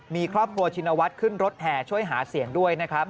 มีครอบครัวชินวัฒน์ขึ้นรถแห่ช่วยหาเสียงด้วยนะครับ